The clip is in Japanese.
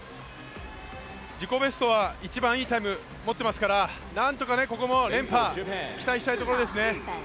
自己ベストは一番いいタイム持っていますからなんとかここも連覇期待したいところですね。